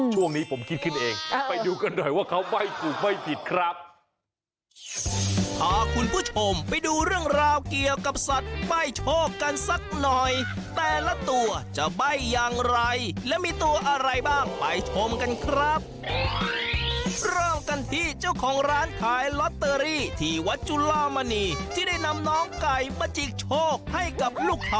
ช่วงนี้ผมคิดขึ้นเองไปดูกันหน่อยว่าเขาใบ้ถูกไม่ผิดครับ